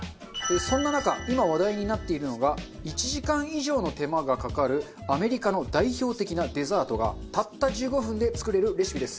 そんな中今話題になっているのが１時間以上の手間がかかるアメリカの代表的なデザートがたった１５分で作れるレシピです。